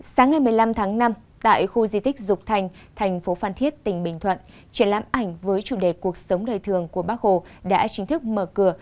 sáng ngày một mươi năm tháng năm tại khu di tích dục thành thành phố phan thiết tỉnh bình thuận triển lãm ảnh với chủ đề cuộc sống đời thường của bác hồ đã chính thức mở cửa